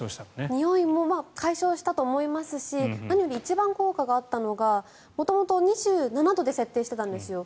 においも解消したと思いますし何より一番効果があったのが元々２７度で設定してたんですよ。